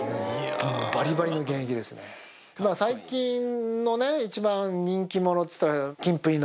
最近の一番人気者っていったら。